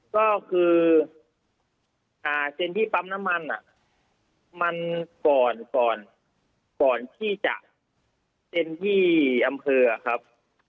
ก็คือเซ็นที่ปั๊มน้ำมันมันก่อนก่อนที่จะเซ็นที่อำเภอครับ